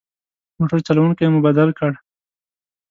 موټر چلوونکی مو بدل کړ.